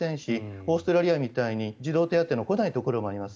オーストラリアみたいに児童手当の来ないところもあります。